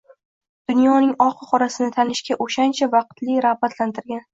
dunyoning oqu qorasini tanishga o’shancha vaqtli rag’batlantirgan.